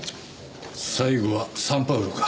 最後はサンパウロか。